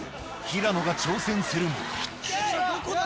平野が挑戦するもどこだ？